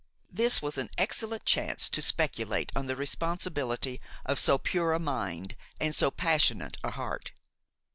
This was an excellent chance to speculate on the responsibility of so pure a mind and so passionate a heart.